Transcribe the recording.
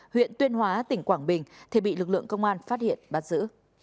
huyện tuyên hóa tỉnh quảng bình thì bị lực lượng công an phát hiện bắt giữ